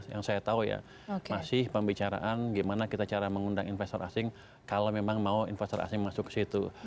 yang saya tahu ya masih pembicaraan gimana kita cara mengundang investor asing kalau memang mau investor asing masuk ke situ